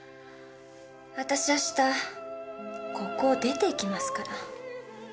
私明日ここを出ていきますから。